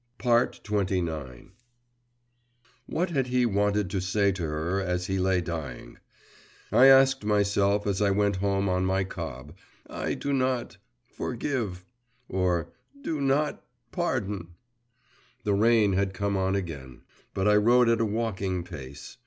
XXIX What had he wanted to say to her as he lay dying? I asked myself as I went home on my cob: 'I do not … forgive,' or 'do not … pardon.' The rain had come on again, but I rode at a walking pace.